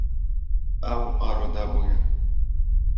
Ew arode bûye.